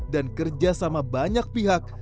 dan kerja sama banyak pihak